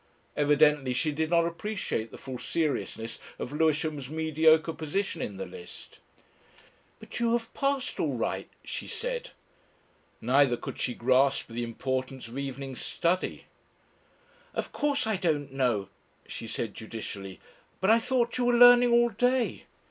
Evidently she did not appreciate the full seriousness of Lewisham's mediocre position in the list. "But you have passed all right," she said. Neither could she grasp the importance of evening study. "Of course I don't know," she said judicially; "but I thought you were learning all day."